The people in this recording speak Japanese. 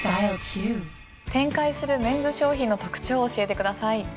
展開するメンズ商品の特徴を教えてください。